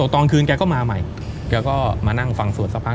ตอนคืนแกก็มาใหม่แกก็มานั่งฟังสวดสักพัก